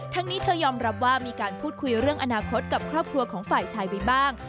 นี้เธอยอมรับว่ามีการพูดคุยเรื่องอนาคตกับครอบครัวของฝ่ายชายไว้บ้าง